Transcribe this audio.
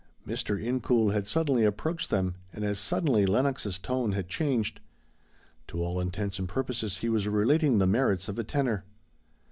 Mr. Incoul had suddenly approached them, and as suddenly Lenox's tone had changed. To all intents and purposes he was relating the merits of a tenor.